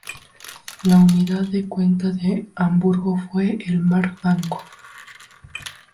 La unidad de cuenta de Hamburgo fue el "Mark Banco".